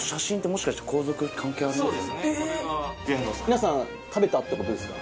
皆さん食べたってことですか。